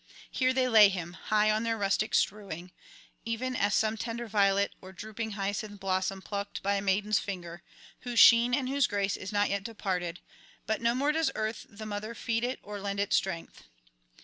Here they lay him, high on their rustic strewing; even as some tender violet or drooping hyacinth blossom plucked by a maiden's finger, whose sheen and whose grace is not yet departed, but no more does Earth the mother feed it or lend it strength.